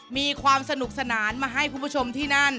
มีความสนุกสนานมาให้คุณผู้ชมที่นั่น